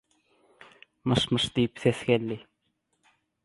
"Myş-Myş" diýip ses geldi.